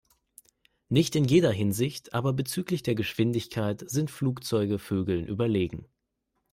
Nicht in jeder Hinsicht, aber bezüglich der Geschwindigkeit sind Flugzeuge Vögeln überlegen.